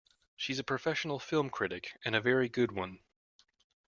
She's a professional film critic, and a very good one.